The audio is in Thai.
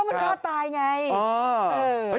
มันรอดตายไง